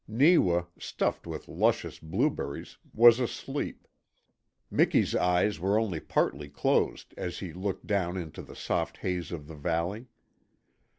Neewa, stuffed with luscious blueberries, was asleep. Miki's eyes were only partly closed as he looked down into the soft haze of the valley.